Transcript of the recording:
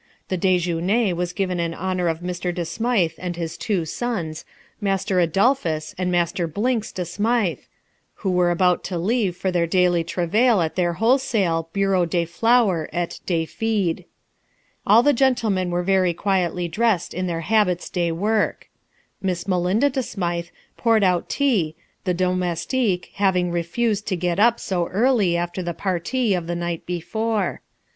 The déjeuner was given in honour of Mr. De Smythe and his two sons, Master Adolphus and Master Blinks De Smythe, who were about to leave for their daily travail at their wholesale Bureau de Flour et de Feed. All the gentlemen were very quietly dressed in their habits de work. Miss Melinda De Smythe poured out tea, the domestique having refusé to get up so early after the partie of the night before.